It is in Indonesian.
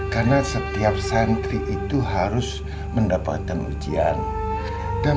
karena setiap sentri itu harus mendapatkan ujian